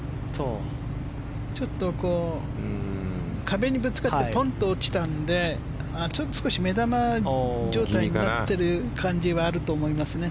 ちょっと壁にぶつかってポンと落ちたので少し目玉状態になってる感じはあると思いますね。